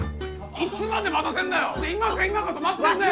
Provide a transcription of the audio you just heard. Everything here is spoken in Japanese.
いつまで待たせんだよ